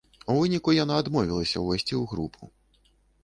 У выніку яна адмовілася ўвайсці ў групу.